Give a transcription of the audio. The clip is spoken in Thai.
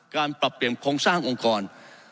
ปรับเปลี่ยนโครงสร้างองค์กร